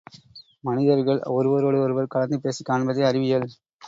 மனிதர்கள் ஒருவரோடு ஒருவர் கலந்து பேசிக் காண்பதே அறிவியல்!